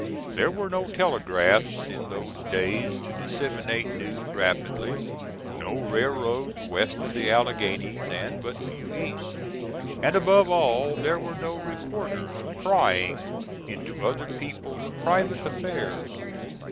There were no telegraphs in those days to disseminate news rapidly, no railroads west of the Alleghanies, and but few east; and above all, there were no reporters prying into other people's private affairs.